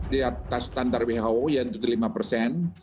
di atas standar who yang dua puluh lima persen